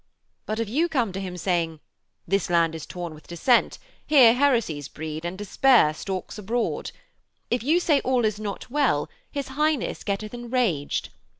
But if you come to him saying: "This land is torn with dissent. Here heresies breed and despair stalks abroad"; if you say all is not well, his Highness getteth enraged.